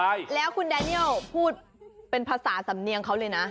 ใช่แล้วคุณแดเนียลพูดเป็นภาษาสำเนียงเขาเลยนะ